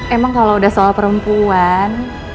emang kalau udah soal perempuan